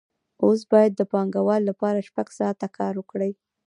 اوس باید د پانګوال لپاره شپږ ساعته کار وکړي